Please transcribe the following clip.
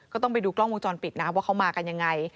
ก็ต้องไปดูกล้องวงจรปิดนะว่าเขามากันยังไง